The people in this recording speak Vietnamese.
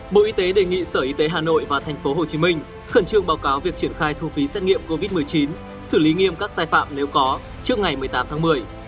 bộ y tế đề nghị sở y tế hà nội và thành phố hồ chí minh khẩn trương báo cáo việc triển khai thu phí xét nghiệm covid một mươi chín xử lý nghiêm các sai phạm nếu có trước ngày một mươi tám tháng một mươi